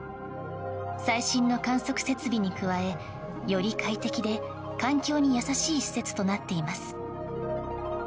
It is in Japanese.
最新の観測設備に加えより快適で環境に優しい施設となっています。